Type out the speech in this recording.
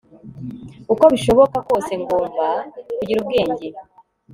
uko bishoboka kose Ngomba kugira ubwenge